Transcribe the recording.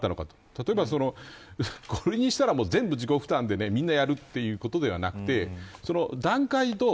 例えばこれにしたら全部自己負担でみんなやるということではなくて段階と。